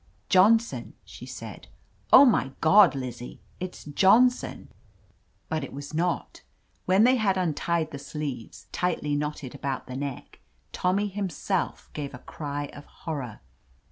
"Johnson!" she said. "Oh, my God, Lizzie, it's Johnson!" But it was not. When they had untied the sleeves, tightly knotted about the neck, Tommy himself gave a cry of horror.